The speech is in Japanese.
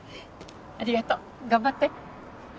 ありがとう。頑張って。